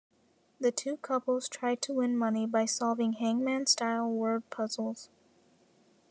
The two couples tried to win money by solving hangman-style word puzzles.